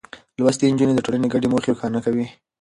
لوستې نجونې د ټولنې ګډې موخې روښانه کوي.